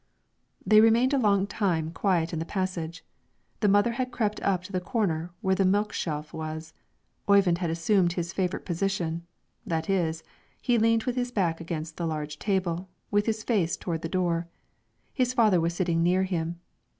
They remained a long time quiet in the passage. The mother had crept up to the corner where the milk shelf was; Oyvind had assumed his favorite position, that is, he leaned with his back against the large table, with his face toward the door; his father was sitting near him.